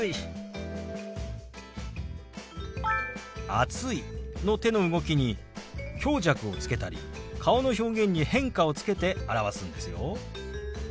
「暑い」の手の動きに強弱をつけたり顔の表現に変化をつけて表すんですよ。